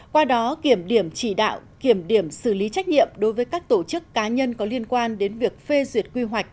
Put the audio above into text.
qua đó kiểm điểm chỉ đạo kiểm điểm xử lý trách nhiệm đối với các tổ chức cá nhân có liên quan đến việc phê duyệt quy hoạch